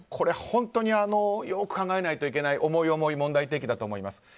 本当によく考えないといけない重い重い問題提起だと思います。